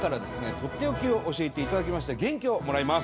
とっておきを教えていただきまして元気をもらいます。